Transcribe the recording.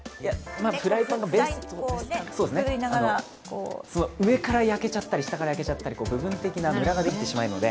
フライパンがベストです上から焼けちゃったり、下から焼けちゃったり、部分的なむらができてしまうので。